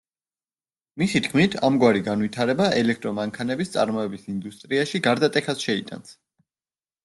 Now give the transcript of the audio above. მისი თქმით, ამგვარი განვითარება ელექტრო მანქანების წარმოების ინდუსტრიაში გარდატეხას შეიტანს.